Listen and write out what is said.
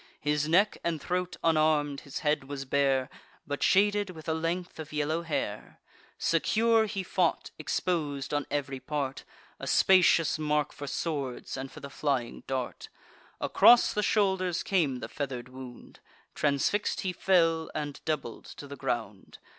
His neck and throat unarm'd, his head was bare, But shaded with a length of yellow hair: Secure, he fought, expos'd on ev'ry part, A spacious mark for swords, and for the flying dart. Across the shoulders came the feather'd wound; Transfix'd he fell, and doubled to the ground.